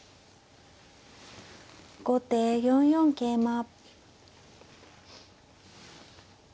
後手４四桂馬。